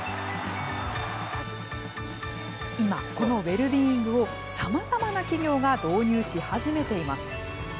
今、このウェルビーイングをさまざまな企業が導入し始めています。